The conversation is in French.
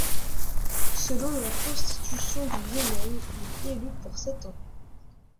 Selon la Constitution du Yémen, il est élu pour sept ans.